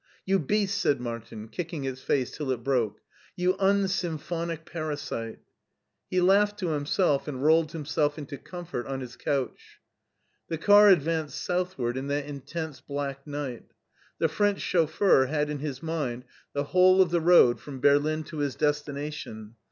"You beast!" said Martin, kicking its face till it broke " you unsymphonic parasite !*' He laughed to himself and rolled himself into comfort on his couch. The car advanced southward in that intense black night. The French chauffeur had in his mind the whole of the road from Berlin to his destination.